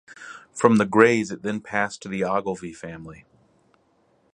From the Grays it then passed to the Ogilvie family.